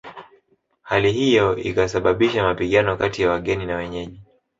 Hali hiyo ikasababisha mapigano kati ya wageni na wenyeji